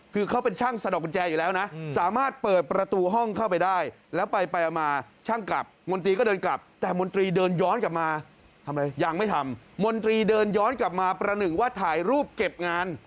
คือเขาเป็นช่างสะดอกกุญแจอยู่แล้วนะ